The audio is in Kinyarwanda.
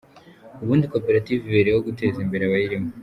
Ubundi koperative ibereho guteza imbere abayirimo.